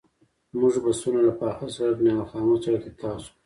زموږ بسونه له پاخه سړک نه یوه خامه سړک ته تاو شول.